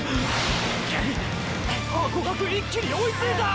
ハコガク一気に追いついたァ！！